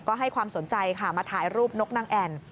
ก็ให้ความสนใจค่ะมาถ่ายรูปนกนางแอ่น